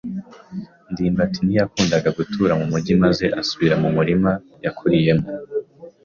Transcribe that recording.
ndimbati ntiyakundaga gutura mu mujyi maze asubira mu murima yakuriyemo.